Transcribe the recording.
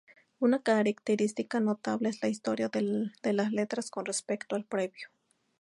Una característica notable es la historia de las letras con respecto al previo'.